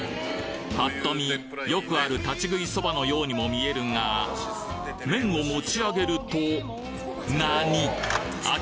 パッと見よくある立ち食いそばのようにも見えるが麺を持ち上げると何！？